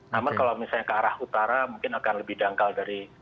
namun kalau misalnya ke arah utara mungkin akan lebih dangkal dari